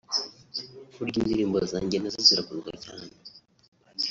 buriya indirimbo zanjye na zo ziragurwa cyane